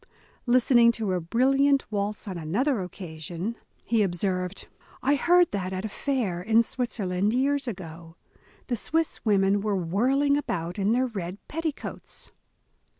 '' Listening to a brilliant waltz on another occasion, he 252 The Astor Family observed :" I heard that at a fair in Switzerland years ago. The Swiss women were whirling about in their red petticoats.'